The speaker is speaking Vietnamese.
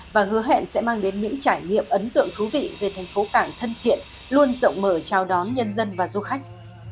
và hứa hẹn sẽ mang đến những trải nghiệm ấn tượng thú vị về thành phố cảng thân thiện luôn rộng mở chào đón nhân dân và du khách